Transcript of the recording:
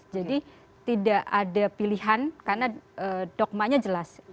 jadi tidak ada pilihan karena dogmanya jelas